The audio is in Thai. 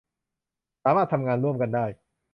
สามารถทำงานร่วมกันได้